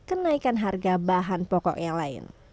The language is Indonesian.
kenaikan harga bahan pokoknya lain